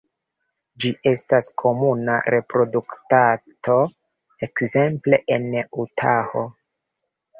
Ĝi estas komuna reproduktanto ekzemple en Utaho.